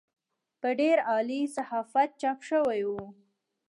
په ډېر عالي صحافت چاپ شوې وه.